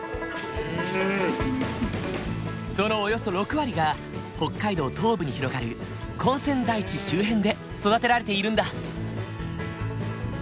そのおよそ６割が北海道東部に広がる根釧台地周辺で育てられているんだ。